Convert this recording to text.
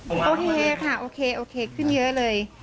โอเคค่ะโอเคโอเคขึ้นเยอะเลย